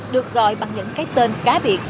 được gọi bằng những cái tên cá biệt